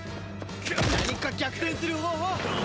何か逆転する方法！